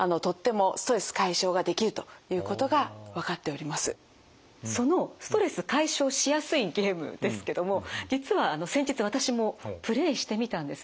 つまりでもそのそのストレス解消しやすいゲームですけども実は先日私もプレーしてみたんですね。